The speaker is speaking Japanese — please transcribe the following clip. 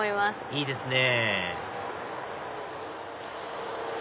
いいですね